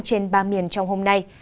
trên ba miền trong hôm nay